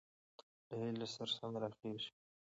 له هيلې سره سمې راخېژي،